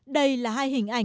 đây là hai hình ảnh hoàn toàn